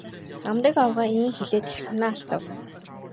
Намдаг авга ийн хэлээд их санаа алдав.